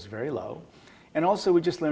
dan kami juga baru saja belajar